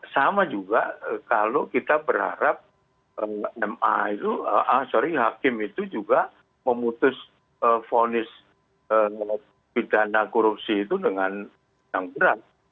sama juga kalau kita berharap ma itu sorry hakim itu juga memutus vonis pidana korupsi itu dengan yang berat